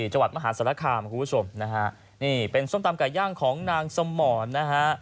จังหวัดมหาศาลคามคุณผู้ชมนะฮะนี่เป็นส้มตำไก่ย่างของนางสมรนะฮะ